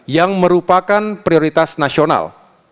yang merupakan prioritas nasional